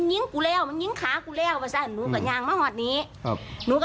นายโทษพี่เยี่ยงกับช่วยช่วยช่วย